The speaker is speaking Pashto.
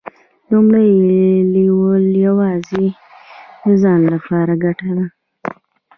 لومړی لیول یوازې د ځان لپاره ګټه ده.